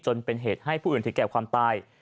จนเป็นเหตุให้ผู้อื่นถึงแก่ความตาย